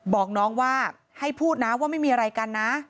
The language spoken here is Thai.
บอกน้องว่าให้พูดนะว่าไม่มีอะไรกันนะ